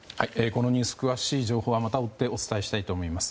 このニュース詳しい情報はまた追ってお伝えしたいと思います。